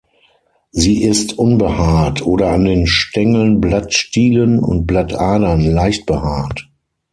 Sie ist unbehaart oder an den Stängeln, Blattstielen und Blattadern leicht behaart.